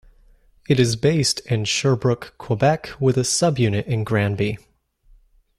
It is based in Sherbrooke, Quebec, with a sub-unit in Granby.